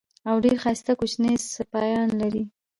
او ډېر ښایسته کوچني سپیان لري.